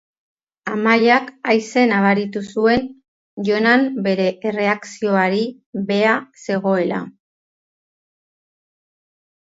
Amaiak aise nabaritu zuen Jonan bere erreakzioari beha zegoela.